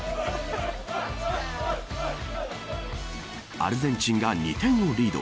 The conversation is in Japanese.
アルゼンチンが２点をリード。